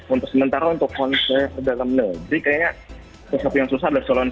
untuk sementara untuk konser dalam negeri kayaknya sesuatu yang susah adalah calon